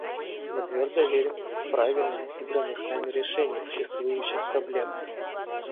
Мы твердо верим в правильность выбранных нами решений существующих проблем.